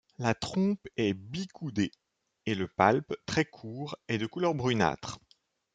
La trompe est bicoudée et le palpe, très court, est de couleur brunâtre.